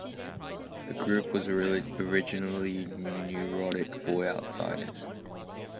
The group was originally called Neurotic Boy Outsiders.